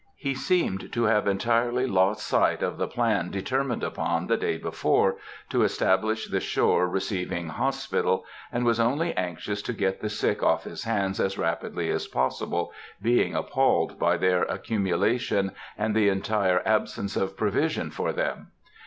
He seemed to have entirely lost sight of the plan about determined upon the day before, to establish the shore receiving hospital, and was only anxious to get the sick off his hands as rapidly as possible, being appalled by their accumulation and the entire absence of provision for them.